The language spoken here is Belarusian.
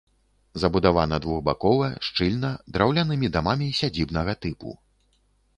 Забудавана двухбакова, шчыльна, драўлянымі дамамі сядзібнага тыпу.